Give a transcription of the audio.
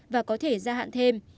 và có thể gia hạn thêm